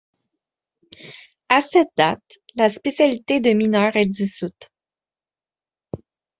À cette date, la spécialité de mineur est dissoute.